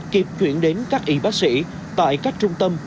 kịp chuyển đến các y bác sĩ tại các trung tâm